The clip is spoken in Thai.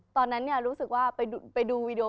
ตอนนั้นรู้สึกว่าไปดูวีดีโอ